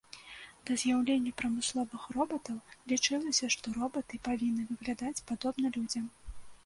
Да з'яўлення прамысловых робатаў лічылася, што робаты павінны выглядаць падобна людзям.